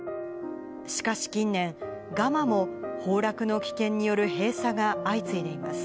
しかし近年、ガマも崩落の危険による閉鎖が相次いでいます。